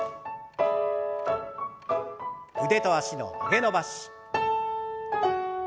腕と脚の曲げ伸ばし。